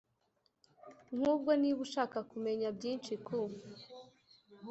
nk ubwo niba ushaka kumenya byinshi ku